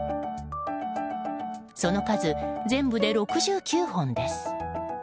その数、全部で６９本です。